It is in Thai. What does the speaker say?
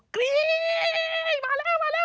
กรี๊บมาแล้ว